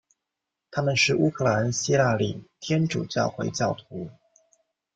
他们是乌克兰希腊礼天主教会教徒。